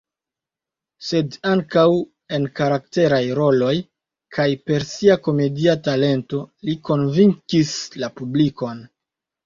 Sed ankaŭ en karakteraj roloj kaj per sia komedia talento li konvinkis la publikon.